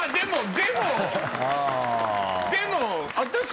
でも。